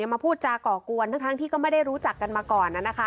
มาพูดจาก่อกวนทั้งที่ก็ไม่ได้รู้จักกันมาก่อน